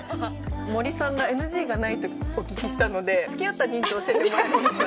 森さんがＮＧがないとお聞きしたので付き合った人数教えてもらえますか？